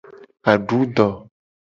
Adu do.